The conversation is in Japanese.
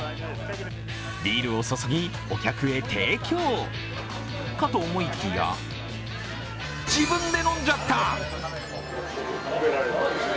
ビールを注ぎ、お客へ提供かと思いきや自分で飲んじゃった！